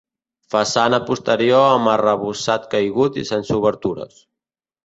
Façana posterior amb arrebossat caigut i sense obertures.